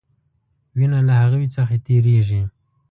وینه له هغوي څخه تیریږي.